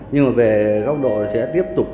nhưng mà về góc độ sẽ tiếp tục